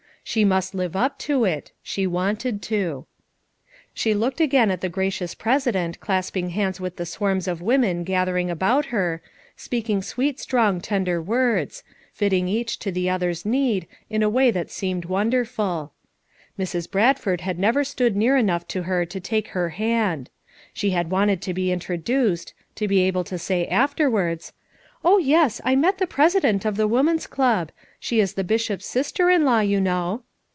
She must live up to it; she wanted to. She looked again at the gracious president FOUB MOTHERS AT CHAUTAUQUA 305 clasping hands with the swarms of women gathering, about her, speaking sweet strong tender words; fitting each to the other's need in a way that seemed wonderful. Mrs, Brad ford had never stood near enough to her to take her hand. She had wanted to be introduced, to be able to say afterwards: "Oh, yes, I met the president of the woman's club; she is the Bishop's sister in law, you know."